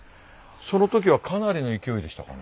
その時はかなりの勢いでしたかね。